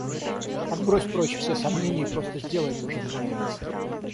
Отбрось прочь все сомнения и просто сделай это уже наконец!